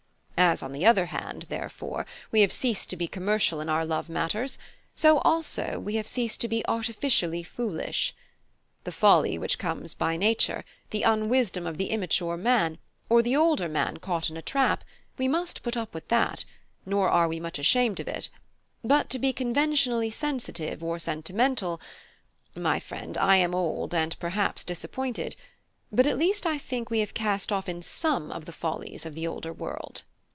As on the other hand, therefore, we have ceased to be commercial in our love matters, so also we have ceased to be artificially foolish. The folly which comes by nature, the unwisdom of the immature man, or the older man caught in a trap, we must put up with that, nor are we much ashamed of it; but to be conventionally sensitive or sentimental my friend, I am old and perhaps disappointed, but at least I think we have cast off some of the follies of the older world."